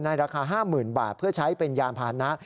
ราคา๕๐๐๐บาทเพื่อใช้เป็นยานพานะ